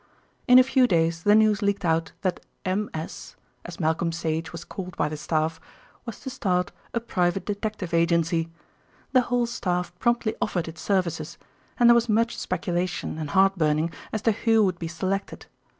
In a few days the news leaked out that "M.S.," as Malcolm Sage was called by the staff, was to start a private detective agency. The whole staff promptly offered its services, and there was much speculation and heart burning as to who would be selected.